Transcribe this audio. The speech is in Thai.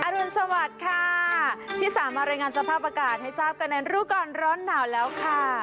รุนสวัสดิ์ค่ะที่สามมารายงานสภาพอากาศให้ทราบกันในรู้ก่อนร้อนหนาวแล้วค่ะ